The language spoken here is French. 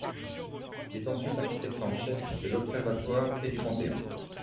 Il est ensuite architecte en chef de l'Observatoire et du Panthéon.